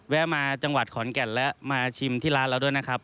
แวะมาจังหวัดขอนแก่นและมาชิมที่ร้านเราด้วยนะครับ